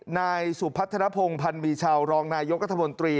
นายสุพัฒนภงพันธ์มีชาวรองนายกัธมนตรี